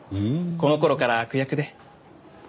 この頃から悪役で。